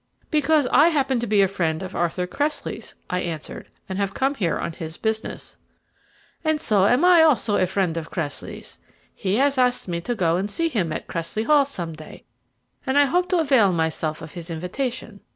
"Because I happen to be a friend of Arthur Cressley's," I answered, "and have come here on his business." "And so am I also a friend of Cressley's. He has asked me to go and see him at Cressley Hall some day, and I hope to avail myself of his invitation.